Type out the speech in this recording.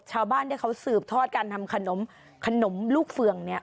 ชาวบ้านที่เขาสืบทอดการทำขนมขนมลูกเฟืองเนี่ย